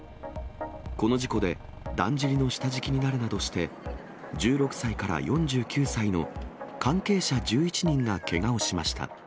この事故でだんじりの下敷きになるなどして、１６歳から４９歳の関係者１１人がけがをしました。